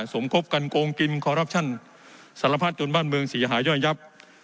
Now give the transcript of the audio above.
สมครบกันโกงกินสารพัดจนบ้านเมืองเสียหาย่อยยับ